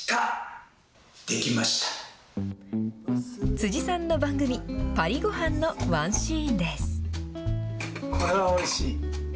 辻さんの番組、パリごはんのワンシーンです。